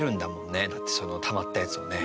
ねだってそのたまったやつをね。